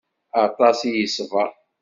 Aṭas i yeṣber.